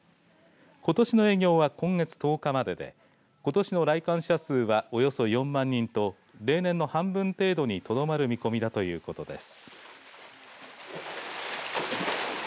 ことしの営業は今月１０日まででことしの来館者数はおよそ４万人と例年の半分程度にとどまる見込みだということです。